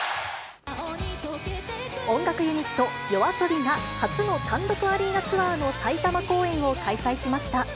音楽ユニット、ＹＯＡＳＯＢＩが初の単独アリーナツアーの埼玉公演を開催しました。